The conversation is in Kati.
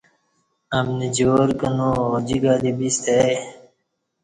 امنی جوار کنا اوجک الی بستہ ائی